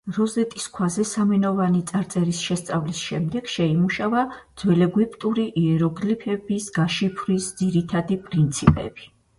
როზეტის ქვაზე სამენოვანი წარწერის შესწავლის შემდეგ შეიმუშავა ძველეგვიპტური იეროგლიფების გაშიფვრის ძირითადი პრინციპები.